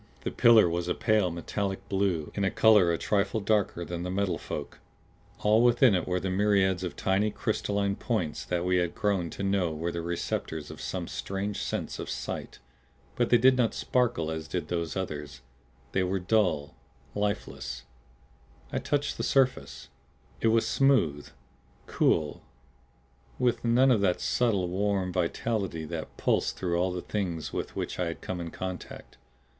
The pillar was a pale metallic blue, in color a trifle darker than the Metal Folk. All within it were the myriads of tiny crystalline points that we had grown to know were the receptors of some strange sense of sight. But they did not sparkle as did those others; they were dull, lifeless. I touched the surface. It was smooth, cool with none of that subtle, warm vitality that pulsed through all the Things with which I had come in contact.